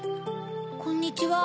こんにちは。